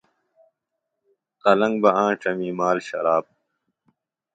قلنگ بہ آنڇمی مال، شراب